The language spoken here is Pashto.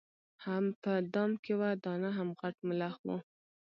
هم په دام کي وه دانه هم غټ ملخ وو